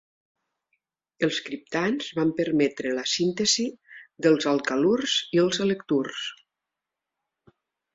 Els criptands van permetre la síntesi dels alcalurs i els electrurs.